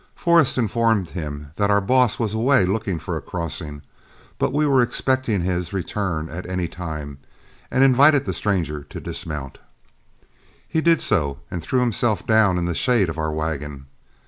Forrest informed him that our boss was away looking for a crossing, but we were expecting his return at any time; and invited the stranger to dismount. He did so, and threw himself down in the shade of our wagon.